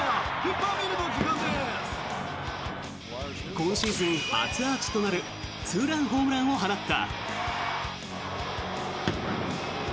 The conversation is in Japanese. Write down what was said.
今シーズン初アーチとなるツーランホームランを放った。